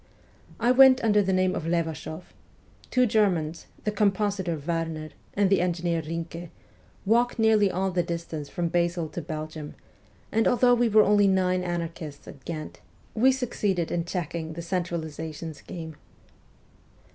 I went under the name of Levashoff ; two Germans, the compositor Werner and the engineer Binke, walked nearly all the distance from Basel to Belgium; and although we were only nine anarchists at Ghent, we succeeded in checking the centralization scheme.